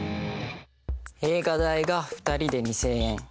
映画代が２人で２，０００円。